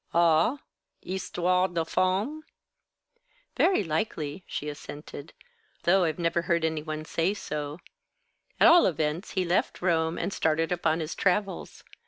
"Ah? Histoire de femme?" "Very likely," she assented, "though I've never heard any one say so. At all events, he left Rome, and started upon his travels.